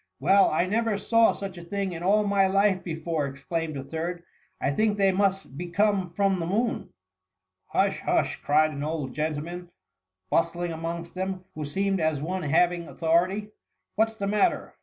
^" Well, I never saw such a thing in all my Mk before T exclaimed a third ;" I think they must be come from the moon.'" ^^ Hush ! hush,^ cried an old gentleman bustling amongst them, who seemed as one hav ing authority. "What's the matter?